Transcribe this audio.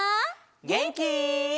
げんき？